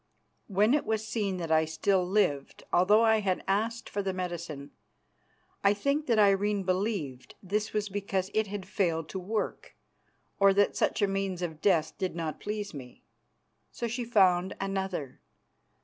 When it was seen that I still lived although I had asked for the medicine, I think that Irene believed this was because it had failed to work, or that such a means of death did not please me. So she found another.